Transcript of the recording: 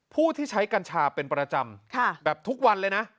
ผู้ที่ใช้กัญชาเป็นประจำแบบทุกวันเลยนะ